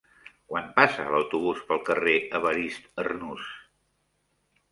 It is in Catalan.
Quan passa l'autobús pel carrer Evarist Arnús?